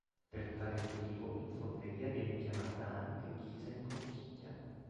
Per tale motivo in fonderia viene chiamata anche ghisa in conchiglia.